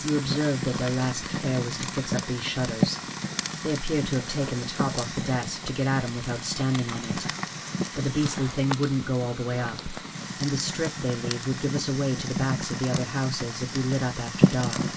You observe that their last care was to fix up these shutters; they appear to have taken the top off the desk to get at 'em without standing on it; but the beastly things wouldn't go all the way up, and the strip they leave would give us away to the backs of the other houses if we lit up after dark.